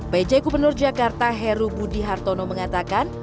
pj gubernur jakarta heru budi hartono mengatakan